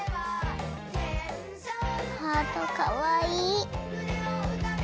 ハートかわいい。